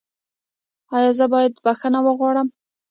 ایا زه باید بخښنه وغواړم؟